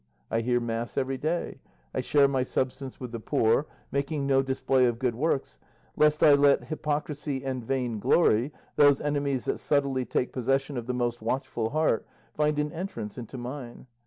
I hear mass every day; I share my substance with the poor, making no display of good works, lest I let hypocrisy and vainglory, those enemies that subtly take possession of the most watchful heart, find an entrance into mine.